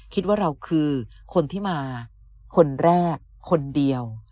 คิดว่าเราคือคนที่มาคนแรกคนเดียว